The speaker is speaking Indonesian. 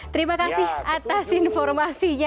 terima kasih atas informasinya